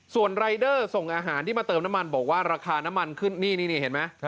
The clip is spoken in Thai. ส่วนรายเดอร์ส่งอาหารที่มาเติมน้ำมันบอกว่าราคาน้ำมันขึ้นนี่เห็นไหม